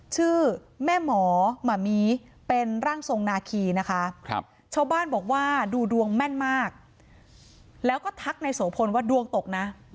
ชื่อแม่หมอหมามีเป็นร่างทรงนาคีนะคะชาวบ้านบอกว่าดูดวงแม่นมากแล้วก็ทักในโสพลว่าดวงตกนะ